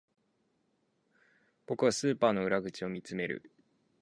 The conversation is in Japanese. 僕はスーパーの裏口を見つめる